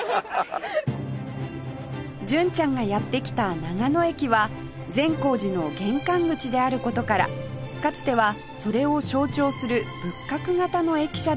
純ちゃんがやって来た長野駅は善光寺の玄関口である事からかつてはそれを象徴する仏閣型の駅舎でした